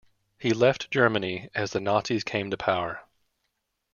He left Germany as the Nazis came to power.